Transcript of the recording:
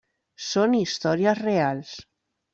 Són històries reals.